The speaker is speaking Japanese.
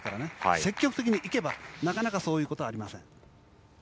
積極的にいけば、なかなかそういうことはありません。